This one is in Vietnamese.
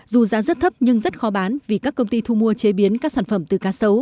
dù giá rất thấp nhưng rất khó bán vì các công ty thu mua chế biến các sản phẩm từ cá sấu